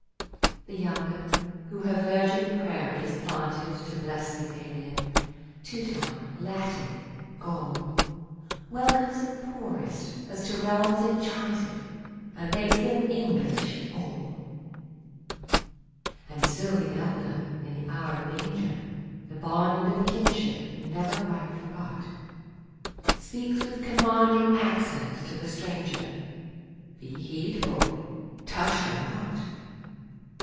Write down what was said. The younger, who her virgin prairies planted To bless the alien — Teuton, Latin, Gaul, Welcomes the poorest, as to realms enchanted, And makes them English, all ! And still, the elder, in the hour of danger. The bond of kinship never quite forgot, 56 TO ENGLAND * Speaks with commanding accent to the stranger :" Be heedful ; touch her not